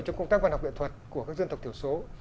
trong công tác văn học nghệ thuật của các dân tộc thiểu số